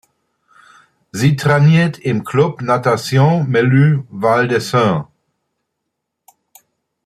Sie trainiert im "Club Natation Melun Val de Seine".